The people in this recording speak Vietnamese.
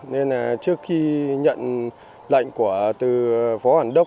nên trước khi nhận lệnh của phó hoàn đốc